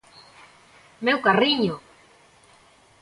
Meu carriño!